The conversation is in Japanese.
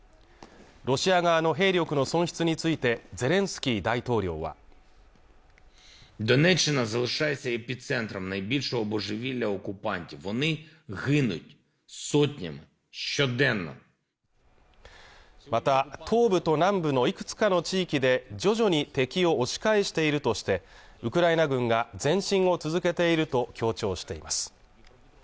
ロシア側の兵力の損失についてゼレンスキー大統領はまた東部と南部のいくつかの地域で徐々に敵を押し返しているとしてウクライナ軍が前進を続けていると強調しています